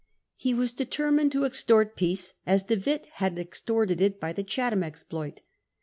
He had de termined to extort peace, as De Witt had extorted it b) the Chatham exploit.